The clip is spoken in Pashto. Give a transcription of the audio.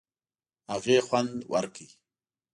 هغې خوند ورکړ.